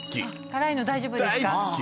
辛いの大丈夫ですか？